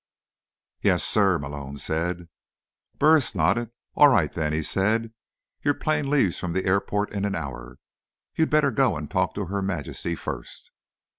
"Yes, sir," Malone said. Burris nodded. "All right, then," he said. "Your plane leaves from the airport in an hour. You'd better go and talk to Her Majesty first."